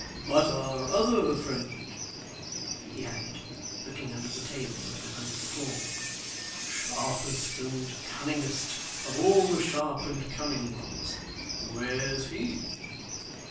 But our other friend,' he added, looking under the table and about the floor 'sharpest and cunningest of all the sharp and cunning ones where's he?